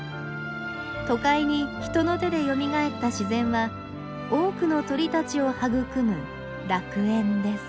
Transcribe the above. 都会に人の手でよみがえった自然は多くの鳥たちを育む楽園です。